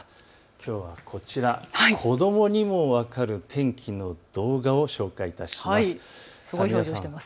きょうはこちら、子どもにも分かる天気の動画を紹介いたします。